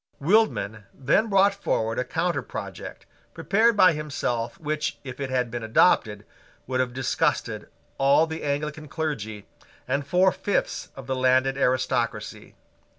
Wildman then brought forward a counterproject, prepared by himself, which, if it had been adopted, would have disgusted all the Anglican clergy and four fifths of the landed aristocracy.